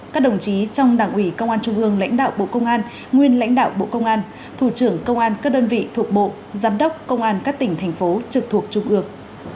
các đồng chí trong đảng ủy công an trung ương lãnh đạo bộ công an nguyên lãnh đạo bộ công an thủ trưởng công an các đơn vị thuộc bộ giám đốc công an các tỉnh thành phố trực thuộc trung ương